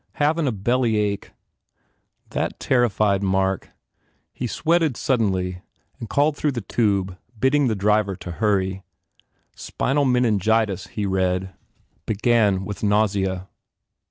"HavirT a bellyache." That terrified Mark. He sweated suddenly and called through the tube bidding the driver hurry. Spinal meningitis, he read, began with nausea.